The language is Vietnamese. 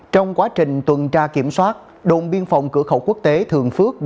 trong quá trình tuần tra kiểm soát đồn biên phòng cửa khẩu quốc tế thường phước